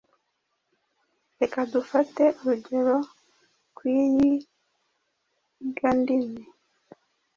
Reka dufate urugero ku iyigandimi.